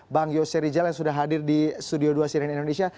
bang yose rijal yang sudah hadir di studio dua siren indonesia